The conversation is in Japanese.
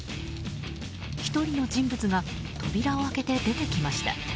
１人の人物が扉を開けて出てきました。